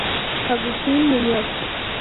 Agustín Muñoz.